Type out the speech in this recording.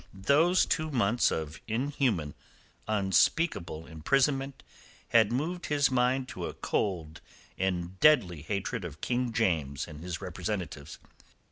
Those two months of inhuman, unspeakable imprisonment had moved his mind to a cold and deadly hatred of King James and his representatives.